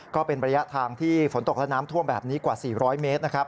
ก็เป็นระยะทางที่ฝนตกและน้ำท่วมแบบนี้กว่า๔๐๐เมตรนะครับ